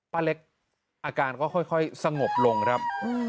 ป้าเล็กอาการก็ค่อยสงบลงครับ